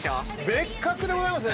別格でございますね。